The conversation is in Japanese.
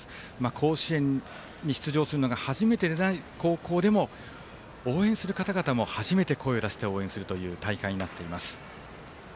甲子園に出場するのが初めての高校でも応援する方も初めて声を出して応援するという大会になっています。